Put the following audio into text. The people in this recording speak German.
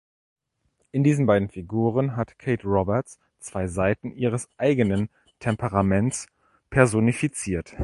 In diesen beiden Figuren hat Kate Roberts zwei Seiten ihres eigenen Temperaments personifiziert.